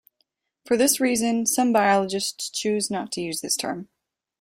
For this reason, some biologists choose not to use this term.